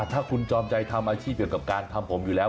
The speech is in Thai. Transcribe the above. ถ้าคุณจอมใจทำอาชีพเกี่ยวกับการทำผมอยู่แล้ว